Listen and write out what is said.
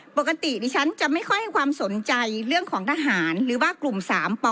ปกติดิฉันจะไม่ค่อยให้ความสนใจเรื่องของทหารหรือว่ากลุ่ม๓ป